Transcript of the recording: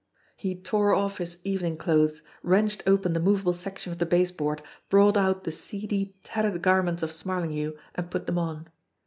He tore off his evening clothes, wrenched open the movable section of the baseboard, brought out the seedy, tattered garments of Smarlinghue, and put them on.